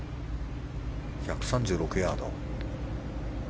１３６ヤード。